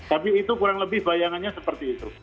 tapi itu kurang lebih bayangannya seperti itu